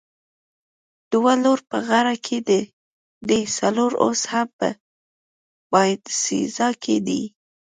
دوه لوړ په غره کې دي، څلور اوس هم په باینسیزا کې دي.